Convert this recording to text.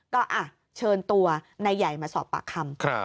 ก็เชิญตัวนายใหญ่มาสอบปากคำ